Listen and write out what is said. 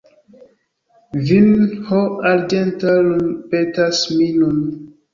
Vin ho arĝenta lun’ petas mi nun.